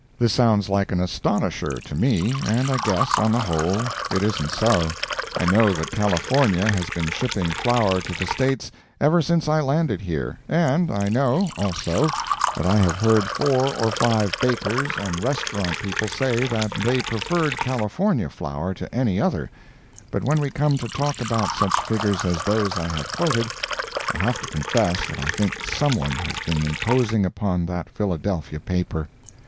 This sounds like an astonisher to me, and I guess, on the whole, it isn't so. I know that California has been shipping flour to the States ever since I landed here, and I know, also, that I have heard four or five bakers and restaurant people say that they preferred California flour to any other, but when we come to talk about such figures as those I have quoted, I have to confess that I think someone has been imposing upon that Philadelphia paper.